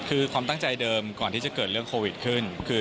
คือความตั้งใจเดิมก่อนที่จะเกิดเรื่องโควิดขึ้น